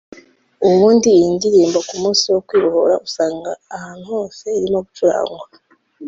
“ Ubundi iyi ndirimbo ku munsi wo kwibohora usanga ahantu hose irimo gucurangwa